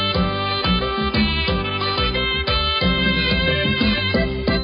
โฮฮะไอ้ยะฮู้ไอ้ยะ